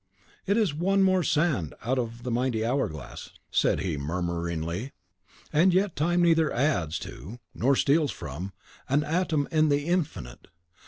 "It is one more sand out of the mighty hour glass," said he, murmuringly, "and yet time neither adds to, nor steals from, an atom in the Infinite!